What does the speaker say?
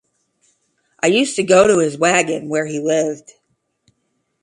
I used to go to his wagon, where he lived.